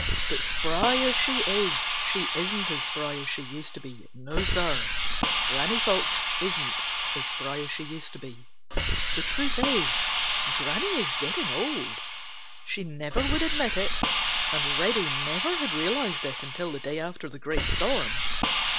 But spry as she is, she isn't as spry as she used to be. No, Sir, Granny Fox isn't as spry as she used to be. The truth is, Granny is getting old. She never would admit it, and Reddy never had realized it until the day after the great storm.